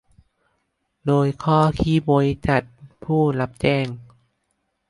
โดยข้อที่บริษัทผู้รับแจ้ง